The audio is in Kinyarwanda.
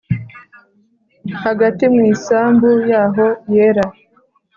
Hagati mu isambu yaho yera